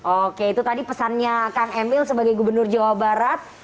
oke itu tadi pesannya kang emil sebagai gubernur jawa barat